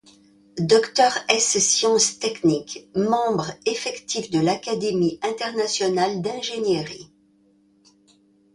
Docteur es-sciences techniques, membre effectif de l'Académie internationale d'ingénierie.